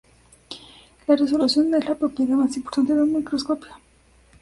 La resolución es la propiedad más importante de un microscopio.